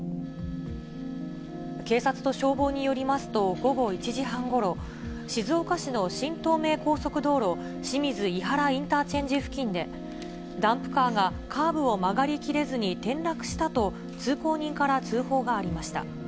警察と消防によりますと、午後１時半ごろ、静岡市の新東名高速道路清水いはらインターチェンジ付近で、ダンプカーがカーブを曲がりきれずに転落したと、通行人から通報がありました。